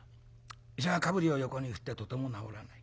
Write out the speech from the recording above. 医者は頭を横に振ってとても治らない。